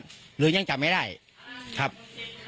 กลุ่มวัยรุ่นกลัวว่าจะไม่ได้รับความเป็นธรรมทางด้านคดีจะคืบหน้า